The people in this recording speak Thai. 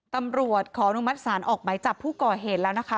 ตำรวจขออนุมัติศาลออกไหมจับผู้ก่อเหตุแล้วนะคะ